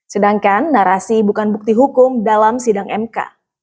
sedangkan narasi bukan bukti hukum dalam sidang mk